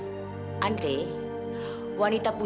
jadi mereka ngatakan